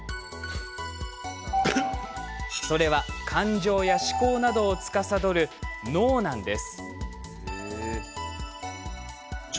それは感情や思考などをつかさどる脳なんです。